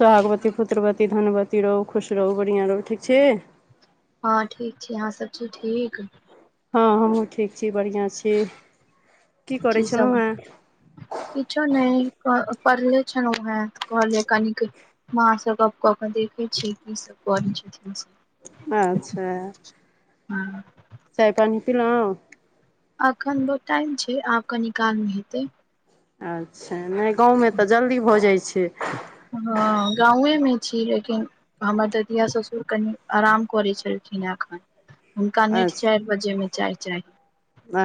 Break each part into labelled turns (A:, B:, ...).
A: सुहागवती पुत्रवती धनवती रहू खुश रहू बढ़िया रहू ठीक छी
B: हँ ठीक छी अहाँ सभ छी ठीक
A: हँ हमहूँ ठीक छी बढ़िआँ छी की करै
B: छी सब
A: छलहुँ हेँ
B: किछो नहि परले छैन ओहै कहलियै कनिक मां सँ गप कऽ के देखै छिय कि सब करै छथिन से [unintelligible]
A: चाह पानी पी लौं
B: एखन बड्ड टाइम छै आब कनी कालमे हेतै
A: अच्छा नहि गाँवमे तऽ जल्दी भऽ जाइ छै
B: गाउँ ए मे छी लेकिन हमर ददिया ससुर कनि आराम करय छलखिन हैं एखन हुनका नेट चारि
A: अच्छा
B: बजेमे चाय चाही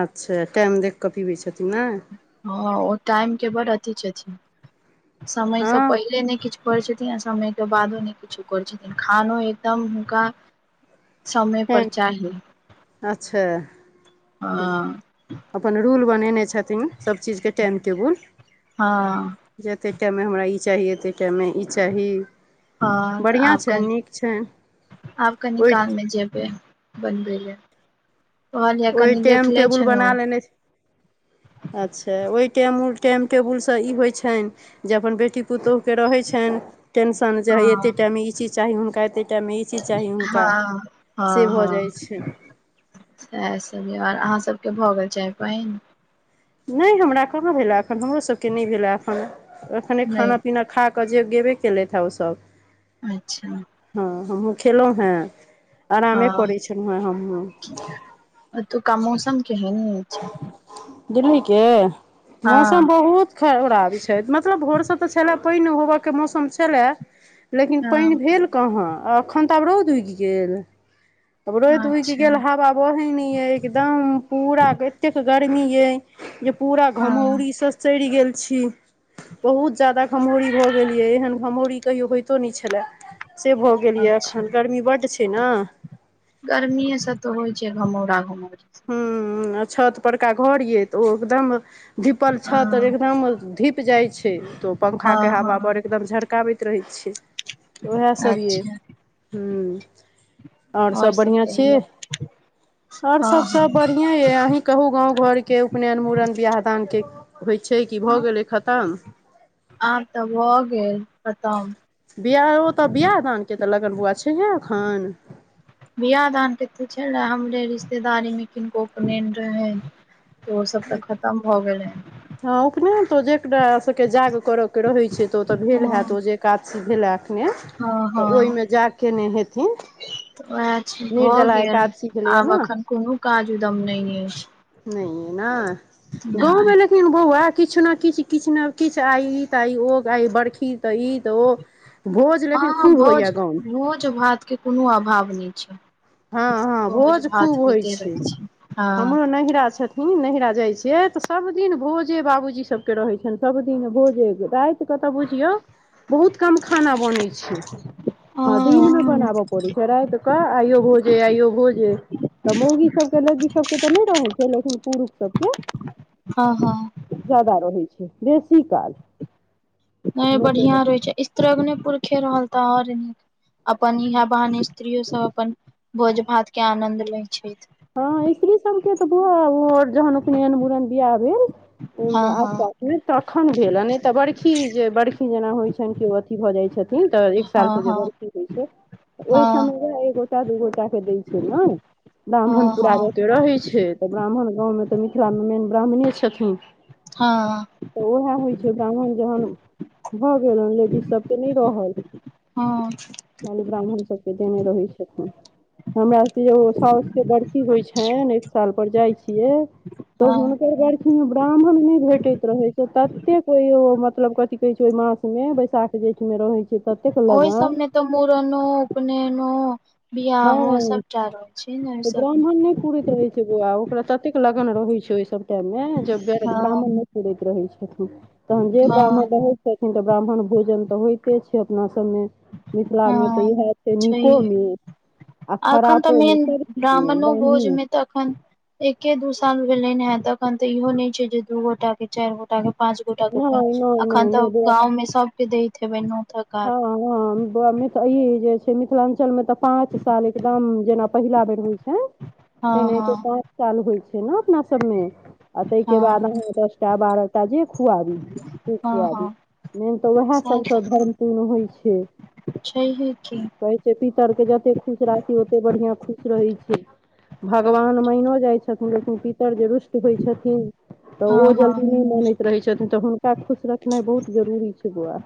A: अच्छा टाइम देखिकऽ पीबै छथिन ने
B: हँ ओ टाइम के बड़ अथि छथिन समयसँ
A: हँ
B: पहिले नहि किछु करै छथिन आ समयके बादो नहि किछो करै छथिन खानो एकदम हुनका समय पर
A: टाइम
B: चाही
A: अच्छा
B: हँ
A: बनैने छथिन सभ चीज के टाइम टेबुल
B: हँ
A: जतेक टाइम मे हमरा ई चाही एते टाइम मे ई चाही
B: हँ तऽ
A: बढ़िआँ
B: आब
A: छनि
B: कनि
A: नीक छनि
B: आब कनि
A: ओहि
B: काल मे जेबै बनबै लै
A: ओहि टाइम टेबुल बना लेने अच्छा ओहि टाइम टाइम टेबुलसँ ई होइ छनि जे अपन बे टी पुतहुके रहै छनि टेन्शन जे हइ एते
B: हँ
A: टाइममे ई चीज चाही हुनका एते टाइममे ई चीज चाही हुनका
B: हँ
A: से
B: हँ
A: भऽ जाइ
B: हँ
A: छै
B: आओर अहाँ सभके भऽ गेल चाय पानि
A: नहि हमरा कहाँ भेलया एखन हमरोसभके नहि भेलया एखन एखने
B: नहि
A: खाना पीना खा तऽ जे गेबे केलैथ है ओ सब
B: अच्छा
A: हमहुँ खेलहुॅं हें आरामे
B: हँ
A: करै छलहु हें हमहुँ
B: केहनो अच्छा
A: दिल्ली के मौसम बहुत खराब छै मतलब भोर सँ तऽ छले पानि होबय के मौसम छले लेकिन पानि
B: हँ
A: भेल कहाँ अखन तऽ आब रौद उगि गेल तब रौद उगि
B: अच्छा
A: गेल हवा बह‌इ नैये एकदम पूरा एतेक गर्मी यै जे पूरा
B: हँ
A: घमौरी सँ सड़ि गेल छी बहुत ज्यादा घमौरी भऽ गेल यए एहन घमौरी कहियो होइतो नहि छलै से भऽ गेल यए
B: अच्छा
A: एखन गर्मी बड्ड छै ने
B: गर्मीए से तो होइ छै घमौरा घमौरी
A: हूँ आ छत परका घर यै तऽ ओ एकदम धीपल छत
B: हँ
A: एकदम ओ धीप जाइ छै तऽ ओ
B: हँ
A: पंखाके हवापर
B: हँ
A: एकदम झरकाबैत रहै छै उएह सभ यै
B: अच्छा
A: हूँ आओर सब बढ़ियां छी आओर सब
B: हँ
A: सब बढ़ियां ये अहीं कहू गाँव घरके उपनयन मुड़न बियाह दान के होइ छै कि भऽ
B: हँ
A: गेलै खतम
B: आब तऽ भऽ गेल खतम
A: बियाह ओ तऽ बियाह दान के तऽ लगन बौआ छैहे एखन
B: बियाह दान के तऽ छै वे हमरे रिश्तेदारी मे किनको उपनएन रहै ओ सब तऽ खतम भऽ गेल
A: हँ ओखने त जेकरा सभके जाग करयके रहैत छै तऽ ओ तऽ भेल
B: हँ
A: होत ओ जे काज भेला एखने
B: हँ
A: तऽ
B: हँ
A: ओहिमे जा के ने हेथिन
B: तऽ उएह छै भऽ
A: निर्जला
B: गेल
A: एकादशी भेलैया
B: आब
A: ने
B: एखन कोनो काज उदम नहि अछि
A: नहि ऐ ने गाँव मे
B: नहि
A: लेकिन बौआ किछु [inaudible] लेकिन
B: हँ
A: खूब होइया
B: भोज
A: गाँवमे
B: भोज भातके कोनो अभाव नहि छै
A: हँ हँ भोज खूब
B: भात
A: होइ
B: होइते
A: छै
B: रहै हँ
A: हमरो नैहिरा छथिन नैहिरा जाइ छिये तऽ सब दिन भोजे बाबूजी सबके रहै छनि सभ दिन भोजे राति कऽ तऽ बुझियौ बहुत कम खाना बनै छै हँ दिन मे बनाबऽ पड़ैत छै राति कऽ आइयो जे आइयो भोजे तऽ मौगी सबके लड़की सबके तऽ नहि रहै छै लेकिन पुरुष सबके
B: हँ हँ
A: जादा रहै छै बेसी काल
B: नहि बढ़ियां रहै छै इसत्र्गने पुरखे रहल तऽ आओर नीक अपन इहा बहाने स्त्रीयो सब अपन भोज भात के आनंद लै छथि
A: हँ स्त्री सबके तऽ बुआ आओर जहन उपनयन मुड़न बियाह भेल
B: हँ हँ
A: आसपासमे तखन भेल ह नहि तऽ बर्खी जे बर्खी जेना होइत छनि केओ अथी भऽ जाइत छै छथिन तऽ एक साल
B: हँ
A: के जे
B: हँ
A: बड़खी होइ छै ओहि
B: हँ
A: समयमे एक गोटा दू गोटाके दै छै न
B: हँ
A: ब्राह्मण पूरा
B: हँ
A: गाँव के रहै छै तऽ ब्राह्मण गाँवमे तऽ मिथिला मे मेन ब्राह्मणे छथिन
B: हँ
A: तऽ उएह होइ छै ब्राह्मण जहन भऽ गेलै लेडीज सब तऽ नहि रहल
B: हँ
A: खाली ब्राह्मण सबके देने करै छथिन हमरा सबके साउस के बड़खी ‌ होइ छनि एक साल पर जाइ छिये छिये तऽ
B: हँ
A: हुनकर बड़खी मे ब्राह्मण नहि भेटैत रहै छै ततेक ओ मत मतलब कथी कहै छै ओहि मास मे बैसाख जेठ मे रहै छै ततेक
B: ओहि
A: लगन
B: सबमे तऽ मुड़नो उपनयनो
A: हँ
B: बियाहो सबटा रहै छै ने ओहि
A: तऽ
B: सबमे
A: ब्राह्मण नहि पुरैत रहे छै बौआ ओकरा ततेक लगन रहैत छै ओहि सब टाइम मे जब
B: हँ
A: ब्र्म पुरैत रहै छै तहन जे ब्राह्मण
B: हँ
A: रहै छथिन तऽ ब्राह्मण भोजन तऽ होइते छै अपना सभमे मिथिलामे तऽ
B: हँ
A: इएह छै
B: छैहे
A: निकोमे आ
B: अखन तऽ
A: खरापोमे
B: मेन
A: सब चीजमे
B: ब्राह्मणो
A: ब्राह्मणे
B: भोजमे तऽ एखन एके दू साल भेलनि हें तऽ एखन तऽ इहो नहि छै जे दू गोटा के चारि गोटा के पाँच गोटाक उपनयन
A: नहि
B: छै
A: नहि नहि
B: अखन
A: नहि
B: तऽ
A: बौआ
B: गाउँ मे सबके दैत हेबै न्योत
A: हँ हँ ई जे छै मिथिला न्चल मे तऽ पाँच साल एकदम जेना पहिला बेर होइ छै
B: हँ
A: तेना
B: हँ
A: एते पाँच साल होइ छै छै ने अपना सबमे आ ताहिके बाद
B: हँ
A: अहाँ दस टा बारह टा जे खुआबी से
B: हँ हँ
A: खुआबी मेन तऽ उएह
B: सैह
A: सभसँ
B: तऽ
A: धर्मपूर्ण होइ छै
B: छैहे की
A: कहै छै पितरके जतेक खुश राखी ओते बढ़िआँ खुश रहय छै भगवान मानियो जाइ छथिन लेकिन पितर जे रुष्ट होइ छथिन तऽ
B: हँ
A: ओ
B: हँ
A: जल्दी नहि लनैत रहयत छथिन तऽ हुनका खुश रख नाय बहुत जरूरी छै बौआ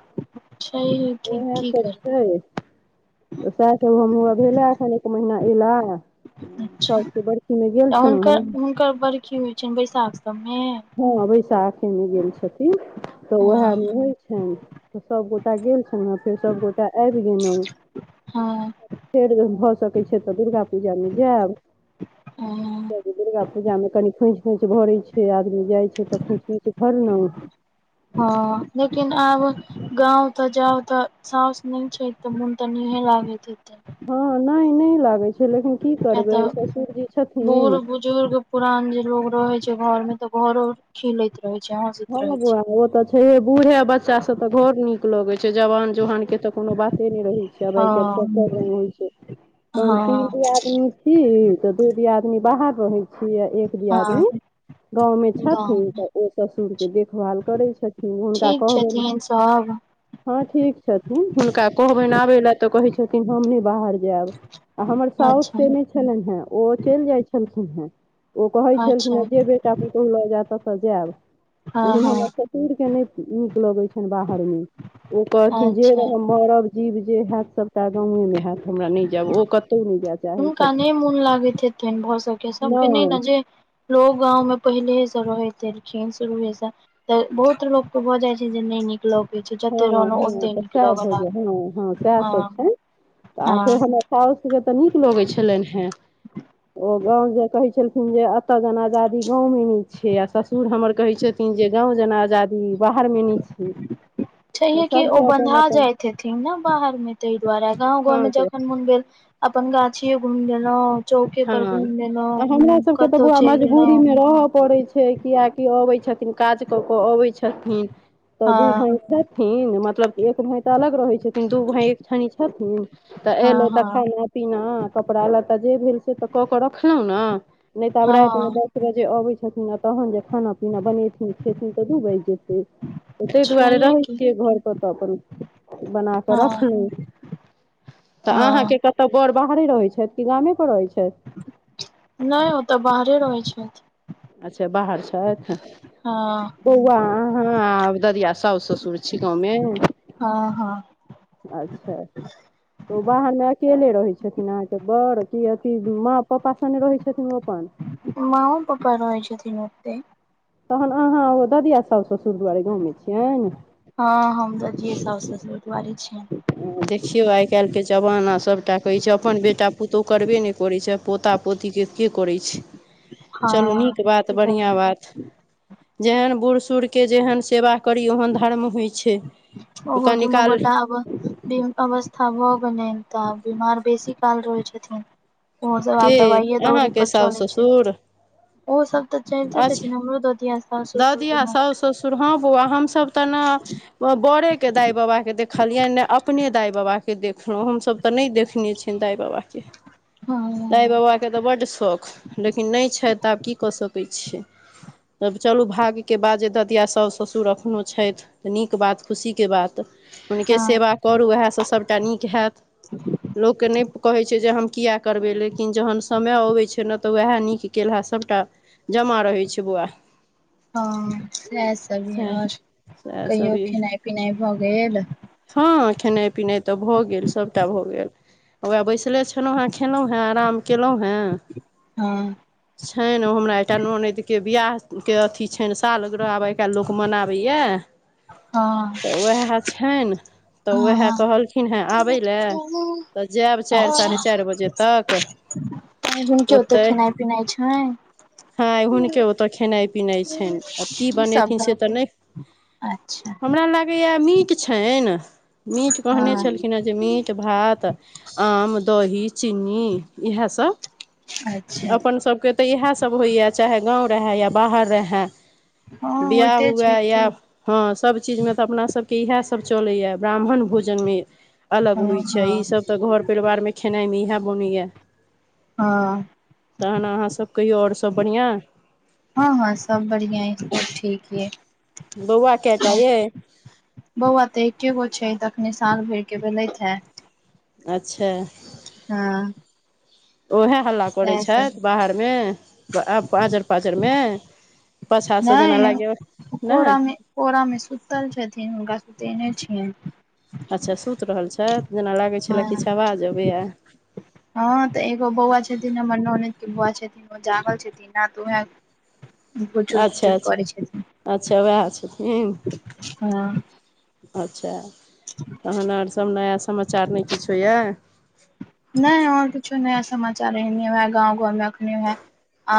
B: छैहे की
A: उएह
B: की
A: सब
B: करबै
A: छै तऽ सएह सभ हम भेला एखन एक महिना एला साउस
B: अच्छा
A: के बड़खि मे गेल
B: तऽ
A: छलौं
B: हुनकर हुनकर बरखी होइ छनि बैशाख सबमे
A: हँ बैशाखेमे गेल छथिन तऽ उएहमे
B: हँ
A: होइ छनि सभ गोटा गेल छलौं फेर सबगोटा आबि गेलहुँ
B: हँ
A: फेर भऽ सकैत छै तऽ दुर्गा पूजा मे जायब
B: हँ
A: दुर्गा पूजा मे कनि खोंछ तोंछ भरय छै आ जाइ छै तऽ खोंछि तोंछि भरलौं
B: ह लेकिन आब गाँव तऽ जाउ तऽ सउस नहि छै तऽ मोन त नहि लागैत हेतै
A: हँ नहि नहि लागै छै लेकिन की
B: किया
A: करबै
B: तऽ
A: ससुरजी
B: बूढ़
A: छथिन
B: बुजुर्ग पुरान जे लोग रहय घर मे तऽ घरो खिलेैत
A: हँ बौआ ओ तऽ छैहे बूढ़े बच्चा से तऽ घर नीक लगे छै जवान जुहान के तऽ कोनो बाते नहि रहै छै आब आइ काल्हि
B: हँ
A: सभ रंग होइ छै हम तीन
B: हँ
A: दियादिनी छी तऽ दू दियादिनी बाहर रहय छियै एक
B: हँ
A: दियादिनी गाँव में छथिन
B: गाँवमे
A: तऽ उ ससुर के देखभाल करय छथिन हुनका
B: ठीक
A: कहबनि
B: छथिन सब
A: हँ ठीक छथि ह हुनका कहबनि आबे ले तऽ कहे छथिन हम ने बाहर जायब आ हमर साउस
B: अच्छा
A: से नहि छलनि हेँ ओ चलि जाइ छलखिन हेँ ओ कहै
B: अच्छा
A: छलखिने जे बेटा पुतहु लऽ जैत ततऽ जयब
B: हँ
A: लेकिन
B: हँ
A: हमरा ससूरके नहि नीक लगैत छनि बाहरमे ओ कहखिन जे
B: अच्छा
A: रहै मरब जीब जे हेत सबटा गाँवेमे हेत हमरा नहि जायब ओ कतौ ने जेत
B: हुनका नहि मोन लागैत हेतनि भऽ सकय सब सबके नहि न जे लोग गाँव में पहिले शुरूए सँ रहैत एलखिन शुरू से तऽ बहुत लोक के भऽ जाइ छै जे नीक लगै छै जते
A: हँ
B: रहलहुँ
A: हँ
B: ओते
A: तऽ
B: नीक
A: सएह
B: लगऽ
A: भऽ जाइ
B: लागल
A: हँ हँ सएह सभ
B: हँ
A: छै आ फेर
B: हँ
A: हमर साउसके तऽ नीक लगैत छलनि हेँ ओ गाँव जे कहै छल जे एतऽ जेना आजादी गाँवमे नहि छै आ ससुर हमर कहै छथिन जे गाँव जेना आजादी बाहर घर मे नहि छी
B: छैहे कि ओ बन्धा जाइत हेथिन ने बाहर मे तहि दुआरे गाँव घर
A: हँ
B: मे
A: से
B: जखन मोन भेल अपन गाछए घूम लेलौं चौके पर घूम लेलौं
A: आ हमरासभके तऽ बौआ मजबूरीमे रहय पड़ैत छै कियकि अबैत छथिन काज कऽ कऽ अबै छथिन तऽ दू
B: हँ
A: भाय छथिन मतलब एक भाय तऽ अलग रहय छथिन दू भाय एक थन छथिन तऽ
B: हँ
A: एयलै तऽ
B: हँ
A: खाना पीना कपड़ा लत्ता जे भेल से तऽ क के रखलहु ने नहि तऽ आब राति मे
B: हँ
A: दस बजे अबै छथिन आ तहन जे खाना पीना बनेथिन खेथिन तऽ दू बाजि जेतै तऽ ताहि दुआरे
B: छैहे
A: रहै
B: की
A: छियै घरपर तऽ अपन बना कऽ
B: हँ
A: रखलहुँ तऽ
B: हँ
A: अहाँके कतौ बोर बाहरे रहैत छथि कि गामे पर रहैत छै
B: नहि ओ तऽ बाहरे रहै छथि
A: अच्छा बाहर छथि
B: हँ
A: बौआ अहाँ आ दरिया साउस ससुर छी गाँवमे
B: हँ हँ
A: अच्छा तऽ उ बाहरमे अकेले रहै छथिन अहाँके बड़ की अथी माँ पापा सने रहै छथिन अपन
B: माँओ पप्पा रहै छथिन अतै
A: तहन अहाँ ओ ददिया साउस ससुर दुआारे गाँवमे छियैन
B: हँ हम तऽ जियै साउस ससुर दुआरे छीयनि।
A: ओ देखियौ आइ काल्हिके जमाना सभटा कहैत छै अपन बेटा पुतहु करबे नहि करैत छै आ पोता पोता पोतिके के करै छै चलू
B: हँ
A: नीक बात
B: की
A: बढ़ियां
B: करबै
A: बात जेहन बूढ़ सूढ़ के जेहन सेवा करी ओहन धर्म होइ छै
B: ओहो
A: ओकर
B: दुनू
A: निकाल
B: गोटा आब अवस्था भऽ गेलनि तऽ आब बिमार बेसी काल रहै छथिन ओ सब
A: के
B: आब दबाइए दौरी
A: अहाँके
B: पर
A: साउस
B: चलै छैथ
A: ससुर
B: ओ सब तऽ चलिते छथिन हमरो ददिया साउस ससुर
A: ददिया
B: दुनू
A: साउस
B: गोटा
A: ससुर हँ बौआ हम हमसब तऽ ने बड़े के दाय बाबा के देखलियनि ने अपने दाइ बाबा के देखलौं हम सभ तऽ नहि देखने छियनि दाइ बाबाके दाइ
B: हँ
A: बाबाके तऽ बड्ड शौख लेकिन नहि छथि तऽ आब की कऽ सकैत छियै तब चलू भाग्यके बात जे ददिया साउस ससुर एखनो छथि तऽ नीक बात खुशीके बात हुनके सेवा करू उएहसँ सभटा नीक हैत लोककेँ नहि कहैत छै जे हम किये करबै लेकिन जहन समय अबै छै ने तऽ वएह नीक केलहा सभटा जमा रहै छै वाह
B: हँ इएहसभ ये आओर
A: सएह सब
B: कहियौ
A: य
B: खेनाइ पिनाइ भऽ गेल
A: हँ खेनाइ पिनाइ तऽ भऽ गेल सभटा भऽ गेल उएह बैसले छलहुँ हेँ खयेलहुँ हेँ आराम कयलहुँ हेँ
B: हँ
A: छैन ओ हमरा एकटा ननदि बियाह के अथी छनि सालगिरह आब एकटा लोक मनाबैया
B: हँ
A: तऽ उएह छैन तऽ उएह
B: हँ
A: कहलखिन हेँ आबय लए तऽ जायब चारि साढ़े
B: अच्छा
A: चारि बजे तक
B: आय हुनके ओतय
A: ओतहि
B: खेनाइ पिनाइ छैन
A: हँ आइ हुनके ओतअ खेने पिनाय छैन आब की
B: सब
A: बनेथिन से तऽ
B: रहतै
A: नय
B: अच्छा
A: हमरा लागैय मीठ छैन मीट कहने
B: हँ
A: छलखिन हे जे मीट भात आम दही चीनी इहे सब
B: अच्छा
A: अपन सब के तऽ इहे सब होइया चाहे गाँव रहै या बाहर रहै
B: हँ
A: बियाह
B: होइते
A: हुए
B: छै
A: या
B: की
A: हँ सब चीज मे तऽ अपना सबके इएह सब चलैया ब्राह्मण भोजन मे अलग
B: हँ
A: होइ छै इ
B: हँ
A: सब तऽ घर परिवार मे खेनाइ मे इहै घुमैयै
B: हँ
A: तहन अहाँ सभ कहियौ और सब बढियां
B: हँ हँ सब बढियां यै ठीक
A: बौआ कए टा
B: यै
A: अइ
B: बौआ तऽ एके गो छै तऽ अपने साल भर के भेलैथ हे
A: अच्छा
B: हँ
A: ओहै हल्ला करैत
B: सएह सब
A: छथि बाहरमे आजर पाजरमे पाछासँ जेना
B: नहि
A: लागै नहि
B: कोरामे कोरामे सुतल छथिन हुनका सुतेने छियैन
A: अच्छा सुति रहल छथि जेना लागै छलए
B: हँ
A: किछु आवाज अबैए
B: हँ तऽ एगो बौआ छथिन हमर ननैद बाआ छथिन ओ जागल छथिन न त ओहे खुचुर
A: अच्छा
B: खुचुर
A: अच्छा
B: करै छथिन
A: अच्छा उएह छथिन
B: हँ
A: अच्छा तहन ओर सब नया समाचार नै किछो य
B: नै आओर किछो नया समाचार एहेन य गाँव घाँवमे अखने वेह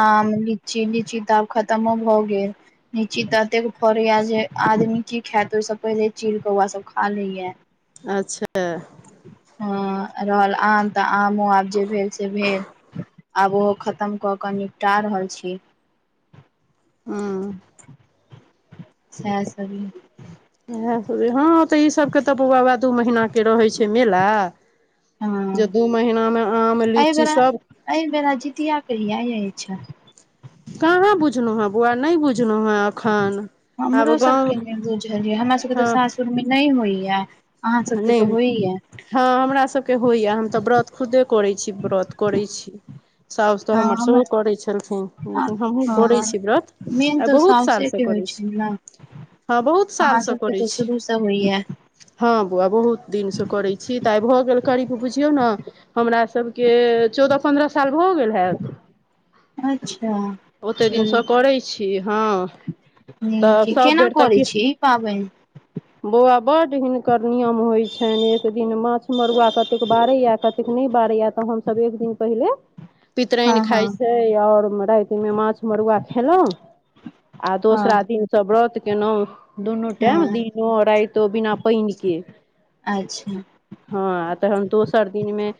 B: आम लीची लीची तऽ आब खतमो भऽ गेल लीची ततेक फड़ैया जे आदमी की खायत ओहिसँ पहिले चील कौआ सभ खा लेइय
A: अच्छह
B: ह रहल आम त आमो आब जे भेल से भेल आब ओहो खतम क क निपटा रहल छी
A: हू
B: से हा सभी
A: इएह सभ हँ त इसबके त बौआ वैह दू महीनाके रहै छै मेला जै दू महिनामे
B: ऐ बेरा ऐ बेरा जितिया कहिया अछि
A: कहाँ बुझलउ ह बुआ नइ बुझ
B: हमरो
A: गाँव
B: सबके नय बुझल य हमरा सबके त सासुरमे नइ होइ ऐ
A: नय हँ हमरा सबके होइया हम त व्रत खुदे करै छी व्रत करै छी साउस त
B: हँ
A: हमर सोहो
B: हमरा
A: करै छलखिन लेकिन हमहुँ करै
B: हँ
A: छी व्रत आइ बहुत साल से करै छी
B: छी ना
A: हँ बहुत साल सँ करै छी
B: होइया
A: हँ बौआ बहुत दिन से करै छी त आई भ गेल करिब बुझियउ न हमरा सबके चौदह पन्द्रह साल भ गेल हेत
B: अच्छा
A: ओते दिनस करै छी हँ
B: नइ
A: तऽ
B: ठिके केना करै छी ई पाबइन
A: बोआ बड हिनकर नि नियम होइ छैन एक दिन माछ मरुआ कतेक बारैय य कतेक नय बारैय य त हमसब एक दिन पहिले
B: हँ
A: पितराइन
B: हँ
A: खाइ छै आओर रातिमे माछ मरुआ खेलहुँ आ
B: हँ
A: दोसरा दिन स व्रत केनउ दुनू टैम
B: हँ
A: दिनो राइतो बिना पाइन के
B: अच्छा
A: हँ तहन दोसर दिनमे